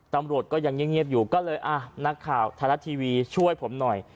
ตำรวจก็ยังเงียบอยู่ก็เลยอ่ะนักข่าวไทยรัฐทีวีช่วยผมหน่อย